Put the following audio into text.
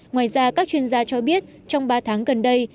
ngoài ra các chuyên gia cho biết trong ba tháng gần đây